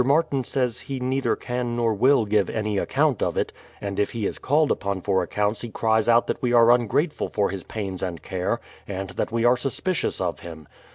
Martin says he neither can nor will give any account of it; and if he is called upon for accounts he cries out that we are ungrateful for liis pains and care, and that we are suspicious of him.